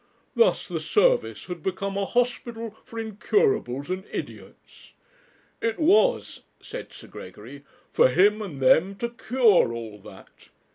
Thus the service had become a hospital for incurables and idiots. It was,' said Sir Gregory, 'for him and them to cure all that.